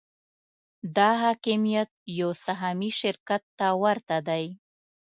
دا حاکمیت یو سهامي شرکت ته ورته دی.